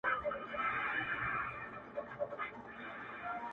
پوليس کور ته راځي ناڅاپه-